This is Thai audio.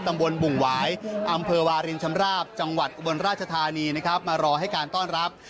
บุ่งหวายอำเภอวารินชำราบจังหวัดอุบลราชธานีนะครับมารอให้การต้อนรับ